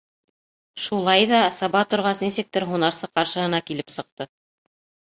Шулай ҙа, саба торғас, нисектер һунарсы ҡаршыһына килеп сыҡты.